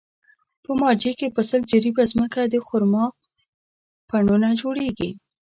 په مارجې کې په سل جریبه ځمکه د خرما پڼونه جوړېږي.